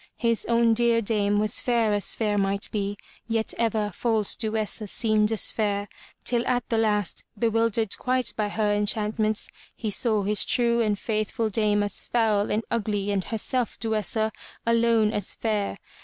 His own dear dame was fair as fair might be, yet ever false Duessa seemed as fair, till at the last, bewildered quite by her enchant ments, he saw his true and faithful dame as foul and ugly and herself, Duessa, alone as fair.